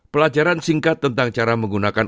pelajaran singkat tentang cara menggunakan